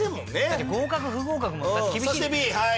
だって合格不合格も厳しい。